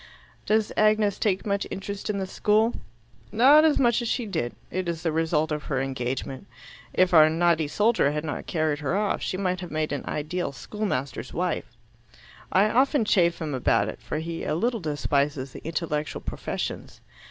"Does Agnes take much interest in the school?" "Not as much as she did. It is the result of her engagement. If our naughty soldier had not carried her off, she might have made an ideal schoolmaster's wife. I often chaff him about it, for he a little despises the intellectual professions.